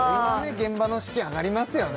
現場の士気上がりますよね